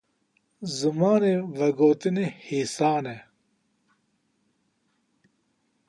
Zimanê vegotinê hêsan e?